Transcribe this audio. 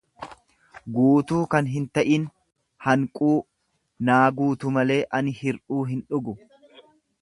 guutuu kan hinta'in, hanquu ; Naa guutu malee ani hir'uu hindhugu.